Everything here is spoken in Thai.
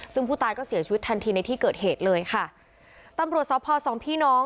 ซึ่งผู้ตายก็เสียชีวิตทันทีในที่เกิดเหตุเลยค่ะตำรวจสอบพอสองพี่น้อง